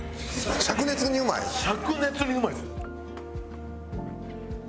灼熱にうまいです。